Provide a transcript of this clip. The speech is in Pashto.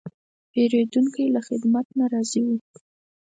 پیرودونکی له خدمت نه راضي و.